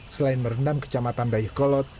selain merendam kecamatan dayi kolot